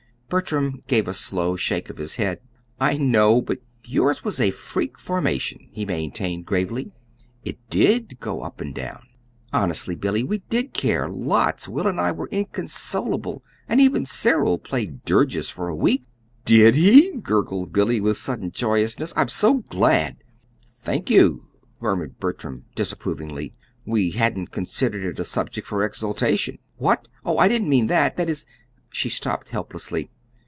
Bertram gave a slow shake of his head. "I know; but yours was a freak formation," he maintained gravely. "It DID go up and down. Honestly, Billy, we did care lots. Will and I were inconsolable, and even Cyril played dirges for a week." "Did he?" gurgled Billy, with sudden joyousness. "I'm so glad!" "Thank you," murmured Bertram, disapprovingly. "We hadn't considered it a subject for exultation." "What? Oh, I didn't mean that! That is " she stopped helplessly.